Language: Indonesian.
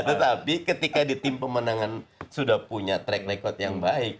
tetapi ketika di tim pemenangan sudah punya track record yang baik